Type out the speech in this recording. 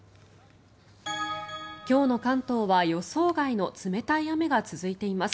今日の関東は、予想外の冷たい雨が続いています。